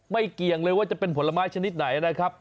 เกี่ยงเลยว่าจะเป็นผลไม้ชนิดไหนนะครับ